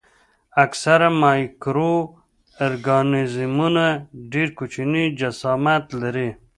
اکثره مایکرو ارګانیزمونه ډېر کوچني جسامت لري.